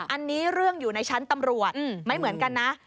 อันนี้เรื่องอยู่ในชั้นตำรวจไม่เหมือนกันนะ